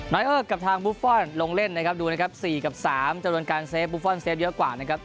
เออกับทางบุฟฟอลลงเล่นนะครับดูนะครับ๔กับ๓จำนวนการเซฟบุฟฟอลเซฟเยอะกว่านะครับ